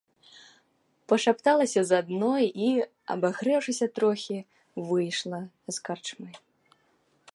Пашапталася з адной і, абагрэўшыся трохі, выйшла з карчмы.